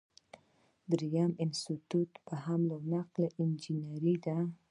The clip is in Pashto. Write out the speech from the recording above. دریم د ټرانسپورټ یا حمل او نقل انجنیری ده.